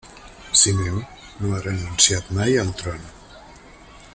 Simeó no ha renunciat mai al tron.